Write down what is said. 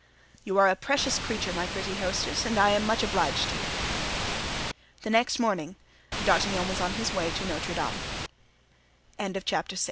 "You are a precious creature, my pretty hostess, and I am much obliged to you." The next moment D'Artagnan was on his way to Notre Dam